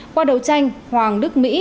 qua đầu tranh hoàng đức mỹ